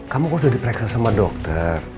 kamu harus dipereksa sama dokter